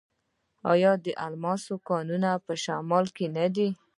آیا د الماس کانونه په شمال کې نه دي؟